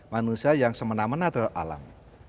manusia yang semena mena terhadap alam